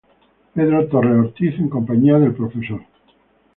Pedro Torres Ortiz, en compañía del Profr.